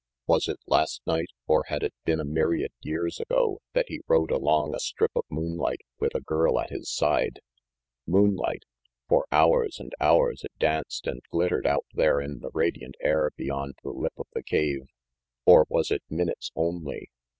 Was it last night, or had it been a myriad years ago that he rode along a strip of moonlight with a girl at his side? 378 RANGY PETE Moonlight! For hours and hours it danced and glittered out there in the radiant air beyond the lip of the cave. Or was it minutes only?